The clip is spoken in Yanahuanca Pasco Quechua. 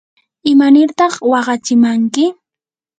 ¿imanirta waqachimanki?